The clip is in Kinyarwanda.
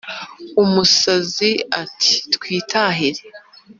umusazi ati « twitahire